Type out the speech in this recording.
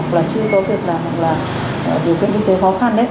những gia đình mà không có việc làm hoặc là chưa có việc làm